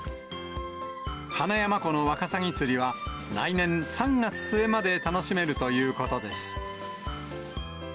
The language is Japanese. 花山湖のワカサギ釣りは、来年３月末まで楽しめるということです。